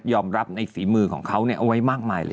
รับในฝีมือของเขาเอาไว้มากมายเลย